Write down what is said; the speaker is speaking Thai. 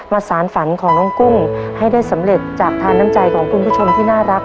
สารฝันของน้องกุ้งให้ได้สำเร็จจากทานน้ำใจของคุณผู้ชมที่น่ารัก